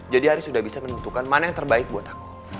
jadi haris udah bisa menentukan mana yang terbaik buat aku